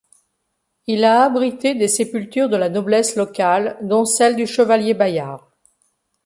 Il a abrité des sépultures de la noblesse locale dont celle du chevalier Bayard.